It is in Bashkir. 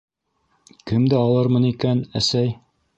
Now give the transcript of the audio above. -Кемде алырмын икән, әсәй?